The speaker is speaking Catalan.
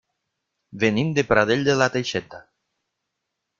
Venim de Pradell de la Teixeta.